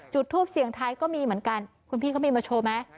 จุดทูบเสียงท้ายก็มีเหมือนกันคุณพี่เขาไปมาโชว์มั้ย